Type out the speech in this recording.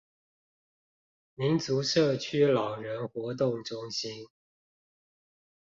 民族社區老人活動中心